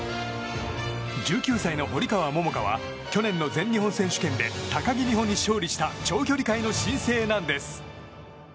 １９歳の堀川桃香は去年の全日本選手権で高木美帆に勝利した長距離界の新星なんです。